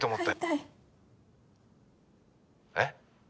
えっ？